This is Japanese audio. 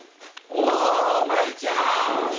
お舞ちゃん！